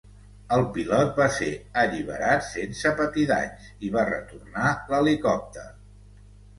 El pilot va ser alliberat sense patir danys i va retornar l'helicòpter.